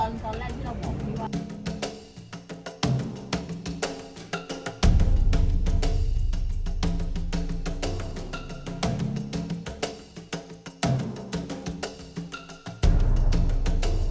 พี่พอแล้วพี่พอแล้ว